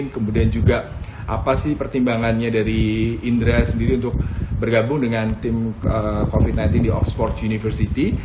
kemudian juga apa sih pertimbangannya dari indra sendiri untuk bergabung dengan tim covid sembilan belas di oxford university